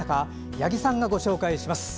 八木さんがご紹介します。